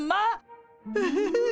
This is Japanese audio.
ウフフフフ。